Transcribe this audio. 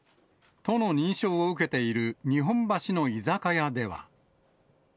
都の認証を受けている日本橋の居酒屋では。